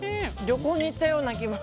旅行に行ったような気分。